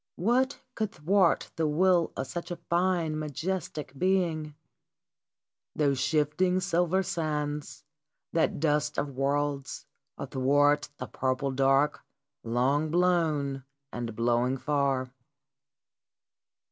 What could thwart the will of such a fine, majestic being ? Those shifting, silver sands, that dust of worlds, athwart the purple dark long blown and blowing far